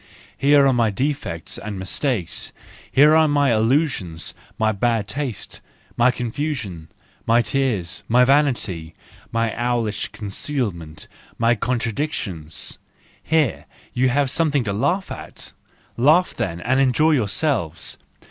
Here are my defects and mistakes, here are my illusions, my bad taste, my confusion, my tears, my vanity, my owlish concealment, my contradic¬ tions ! Here you have something to laugh at! Laugh then, and enjoy yourselves!